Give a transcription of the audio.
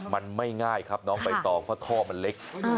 มันไม่ง่ายครับน้องใบตองเพราะท่อมันเล็ก